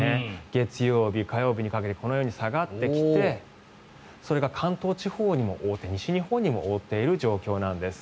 月曜日、火曜日にかけてこのように下がってきてそれが関東地方にも覆って西日本にも覆っている状況なんです。